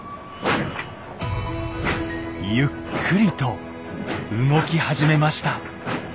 ゆっくりと動き始めました。